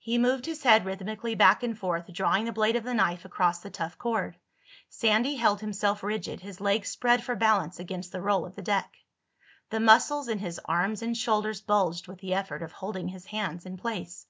He moved his head rhythmically back and forth, drawing the blade of the knife across the tough cord. Sandy held himself rigid, his legs spread for balance against the roll of the deck. The muscles in his arms and shoulders bulged with the effort of holding his hands in place.